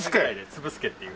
粒すけっていう。